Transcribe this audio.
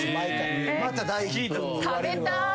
食べたい。